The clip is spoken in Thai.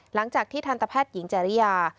หลังจากที่ทันตแพทย์หญิงจริยา